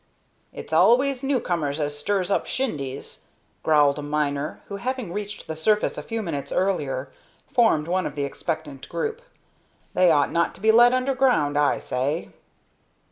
"It's always new comers as stirs up shindies," growled a miner who, having reached the surface a few minutes earlier, formed one of the expectant group. "They ought not to be let underground, I say."